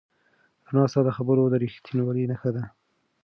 رڼا ستا د خبرو د رښتینولۍ نښه ده.